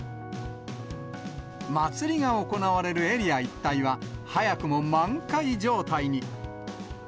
祭りが行われるエリア一帯は、早くも満開状態に。